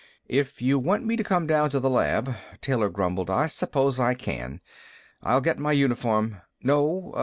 "If you want me to come down to the lab," Taylor grumbled, "I suppose I can. I'll get my uniform " "No.